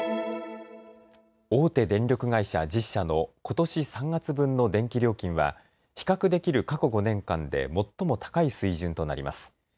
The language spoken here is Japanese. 大手電力会社１０社のことし３月分の電気料金は比較できる過去５年間で最も高い水準となります。